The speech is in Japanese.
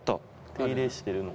手入れしてるのかな。